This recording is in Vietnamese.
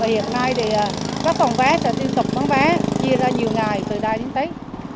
hiện nay thì các phòng vé sẽ tiêu cục bán vé chia ra nhiều ngày từ đài đến tết